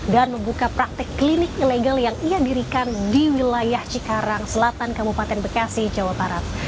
dan membuka praktik klinik ilegal yang ia dirikan di wilayah cikarang selatan kabupaten bekasi jawa barat